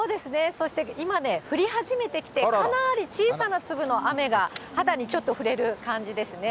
そして今ね、降り始めてきて、かなり小さな粒の雨が肌にちょっと触れる感じですね。